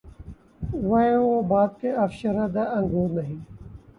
وائے! وہ بادہ کہ‘ افشردۂ انگور نہیں